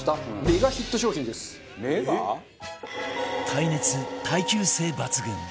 耐熱耐久性抜群！